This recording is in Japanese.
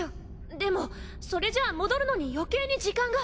でもそれじゃあ戻るのに余計に時間が。